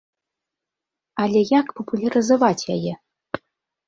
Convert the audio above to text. Але як папулярызаваць яе?